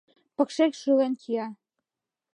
— Пыкше шӱлен кия.